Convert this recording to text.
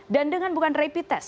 dan dengan bukan rapid test